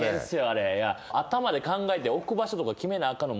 あれ頭で考えて置く場所とか決めなあかんの